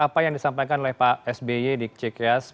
apa yang disampaikan oleh pak sby di cks